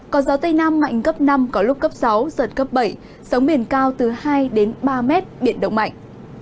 có gió tây nam mạnh cấp năm có lúc cấp sáu giật cấp bảy sóng biển cao từ hai đến ba mét biển động mạnh